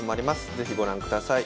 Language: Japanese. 是非ご覧ください。